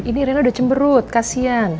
ini rena udah cemberut kasihan